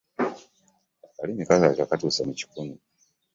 Akalimi kalabika katuuse mu kikumi.